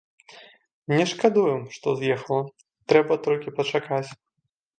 Не шкадую, што з'ехала, трэба толькі пачакаць.